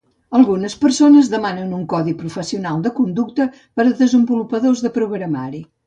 Algunes persones demanen un codi professional de conducta per a desenvolupadors de programari.